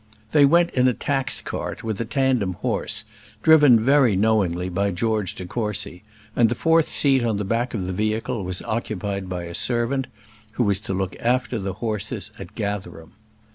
They went in a tax cart, with a tandem horse, driven very knowingly by George de Courcy; and the fourth seat on the back of the vehicle was occupied by a servant, who was to look after the horses at Gatherum.